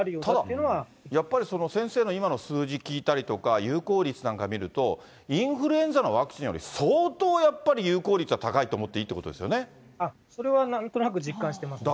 ただやっぱり、先生の今の数字聞いたりとか、有効率なんか見ると、インフルエンザのワクチンより相当やっぱり有効率は高いとそれはなんとなく実感してますね。